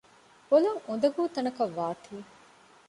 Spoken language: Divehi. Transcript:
ބޮލަށް އުދަގޫ ތަނަކަށް ވާތީ